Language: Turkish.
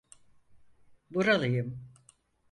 Buralıyım.